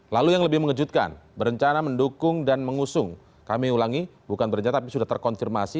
lalu yang lebih mengejutkan berencana mendukung dan mengusung kami ulangi bukan berencana tapi sudah terkonfirmasi